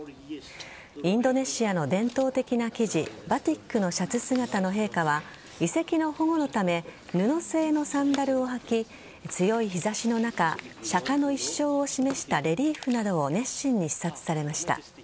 インドネシアの伝統的な生地バティックのシャツ姿の陛下は遺跡の保護のため布製のサンダルをはき強い日差しの中釈迦の一生を示したレリーフなどを熱心に視察されました。